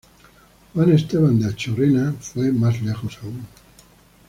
Juan Esteban de Anchorena fue más lejos aún.